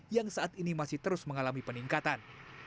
yang saat ini masih terus mengalami peningkatan